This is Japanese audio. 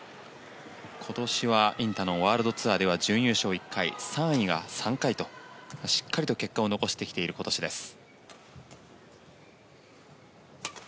今年はインタノンワールドツアーでは準優勝１回、３位が３回としっかりと結果を残してきている今年です。